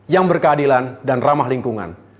yang berkeadilan dan ramah lingkungan